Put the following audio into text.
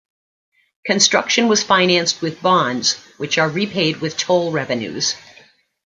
Construction was financed with bonds, which are repaid with toll revenues.